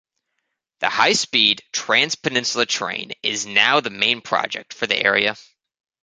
The high speed trans-peninsula train is now the main project for the area.